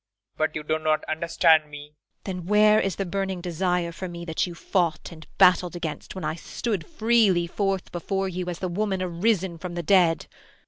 But you do not understand me. IRENE. Then where is the burning desire for me that you fought and battled against when I stood freely forth before you as the woman arisen from the dead?